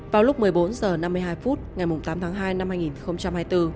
vào lúc một mươi bốn h năm mươi hai phút ngày tám tháng hai năm hai nghìn hai mươi bốn